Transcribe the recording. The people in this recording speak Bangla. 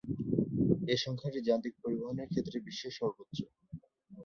এ সংখ্যাটি যান্ত্রিক পরিবহনের ক্ষেত্রে বিশ্বে সর্বোচ্চ।